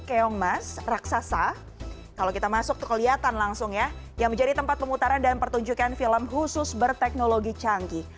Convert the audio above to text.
keongmas raksasa kalau kita masuk tuh kelihatan langsung ya yang menjadi tempat pemutaran dan pertunjukan film khusus berteknologi canggih